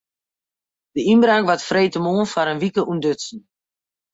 De ynbraak waard freedtemoarn foar in wike ûntdutsen.